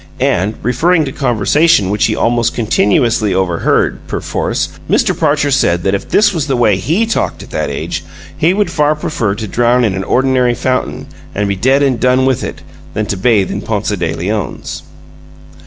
And, referring to conversations which he almost continuously overheard, perforce, Mr. Parcher said that if this was the way HE talked at that age, he would far prefer to drown in an ordinary fountain, and be dead and done with it, than to bathe in Ponce de Leon's.